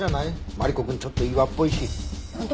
マリコくんちょっと岩っぽいし。なんて